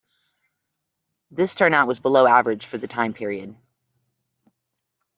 This turnout was below average for the time period.